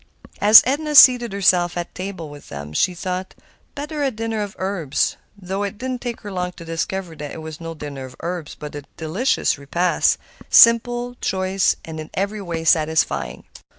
As Edna seated herself at table with them she thought, "Better a dinner of herbs," though it did not take her long to discover that it was no dinner of herbs, but a delicious repast, simple, choice, and in every way satisfying.